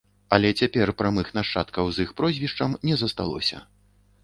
Але цяпер прамых нашчадкаў з іх прозвішчам не засталося.